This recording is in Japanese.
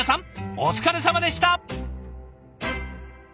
お疲れさまでした！